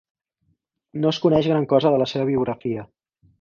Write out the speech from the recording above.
No es coneix gran cosa de la seva biografia.